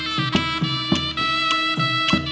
กลับไปที่นี่